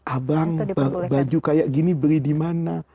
abang baju kayak gini beli di mana